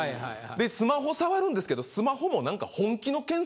でスマホ触るんですけどスマホもなんか。